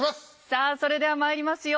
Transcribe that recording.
さあそれではまいりますよ。